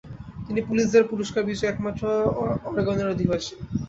তিনি পুলিৎজার পুরস্কার বিজয়ী একমাত্র অরেগনের অধিবাসী।